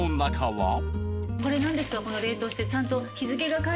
これ何ですか？